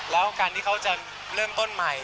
แล้วการที่เขาจะเริ่มต้นใหม่